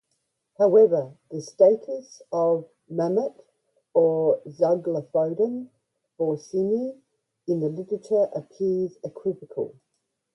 However, the status of "Mammut" or "Zygolophodon borsoni" in the literature appears equivocal.